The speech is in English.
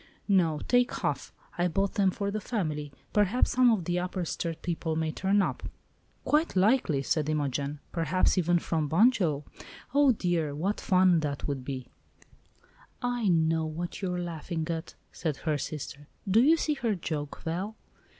"No, take half; I bought them for the family. Perhaps some of the Upper Sturt people may turn up." "Quite likely," said Imogen; "perhaps even from Bunjil! Oh, dear! what fun that would be!" "I know what you are laughing at," said her sister. "Do you see her joke, Val?"